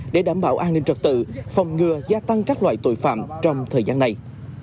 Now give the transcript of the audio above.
để đảm bảo an ninh trật tự phòng ngừa gia tăng các loại tội phạm trong thời gian này